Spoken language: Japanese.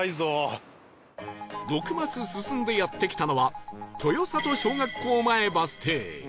６マス進んでやって来たのは豊郷小学校前バス停